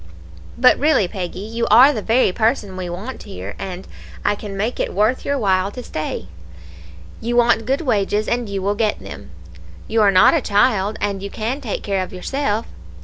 "'But really, Peggy, you are the very person we want here, and I can make it worth your while to stay. You want good wages, and you will get them; you are not a child, and you can take care of yourself.